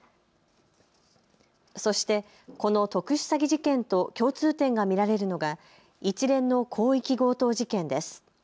そして、この特殊詐欺事件と共通点が見られるのが一連の広域強盗事件です。